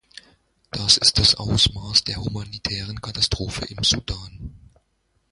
Das ist das Ausmaß der humanitären Katastrophe im Sudan.